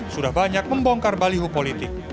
sudah banyak membongkar baliho politik